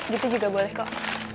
gitu juga boleh kok